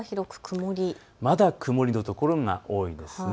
まだ曇りの所が多いです。